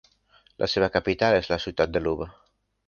La seva capital és la ciutat de Luba.